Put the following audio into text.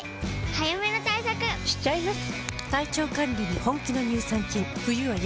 早めの対策しちゃいます。